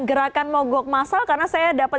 gerakan mogok masal karena saya dapat